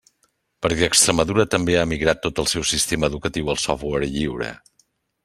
Perquè Extremadura també ha migrat tot el seu sistema educatiu al software lliure.